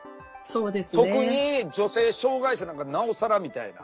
特に女性障害者なんかなおさらみたいな。